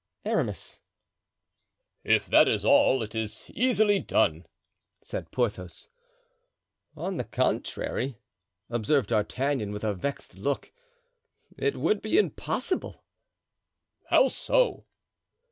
"ARAMIS." "If that is all, it is easily done," said Porthos. "On the contrary," observed D'Artagnan, with a vexed look; "it would be impossible." "How so?"